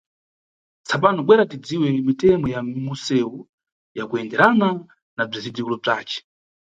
Tsapano bwera tidziwe mitemo ya munʼsewu ya kuyenderana na bzizindikiro bzace.